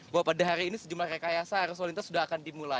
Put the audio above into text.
bahwa pada hari ini sejumlah rekayasa arus lalu lintas sudah akan dimulai